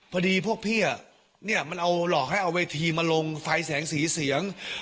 พวกพี่เนี่ยมันเอาหลอกให้เอาเวทีมาลงไฟแสงสีเสียง